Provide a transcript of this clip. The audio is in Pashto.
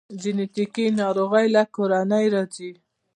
جنیټیکي ناروغۍ له کورنۍ راځي